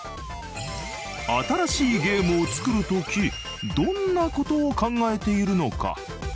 新しいゲームを作る時どんな事を考えているのか？